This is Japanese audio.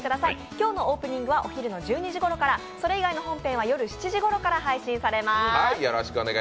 今日のオープニングはお昼の１２時ごろから、それ以外の本編は夜７時ごろから配信されます。